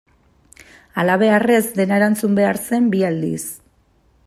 Halabeharrez dena erantzun behar zen bi aldiz.